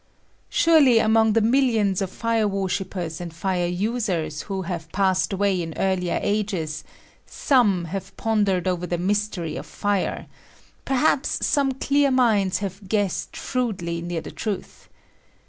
Surely, among the milhona of fire worshipers ■:|Uid fire UBera 'who have passed away in earlier ^^^" "ri PBEPACB. ^^ ages, soTiie have pondered orer the mystery of ' fire ; perhaps some clear minda have guessed , shrewdly near the truth.